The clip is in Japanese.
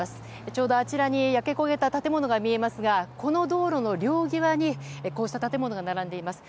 ちょうどあちらに焼け焦げた建物が見えますがこの道路の両際にこうした建物が並んでいます。